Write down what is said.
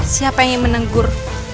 siapa yang ingin menegur